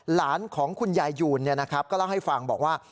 หลานของคุณยายยูนก็เล่าให้ฟังบอกว่า